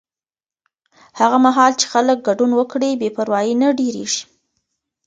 هغه مهال چې خلک ګډون وکړي، بې پروایي نه ډېرېږي.